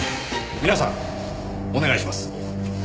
皆さんお願いします。